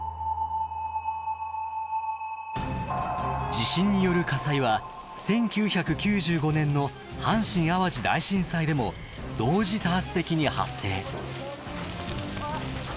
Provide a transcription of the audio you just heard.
地震による火災は１９９５年の阪神・淡路大震災でも同時多発的に発生。